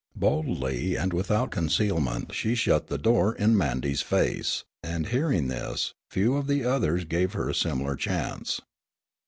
Boldly and without concealment she shut the door in Mandy's face, and, hearing this, few of the others gave her a similar chance.